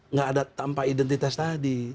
nggak ada tanpa identitas tadi